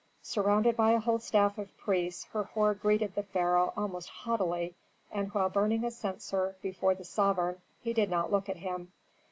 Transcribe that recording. Surrounded by a whole staff of priests Herhor greeted the pharaoh almost haughtily, and while burning a censer before the sovereign he did not look at him.